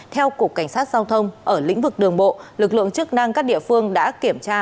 theo cục cảnh sát giao thông ở lĩnh vực đường bộ lực lượng chức năng các địa phương đã kiểm tra